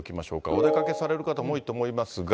お出かけされる方も多いと思いますが。